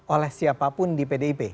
oleh siapapun di pdip